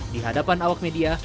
di hadapan awak media